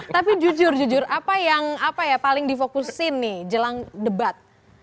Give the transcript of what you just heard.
tapi jujur jujur apa yang paling difokusin nih jelang debat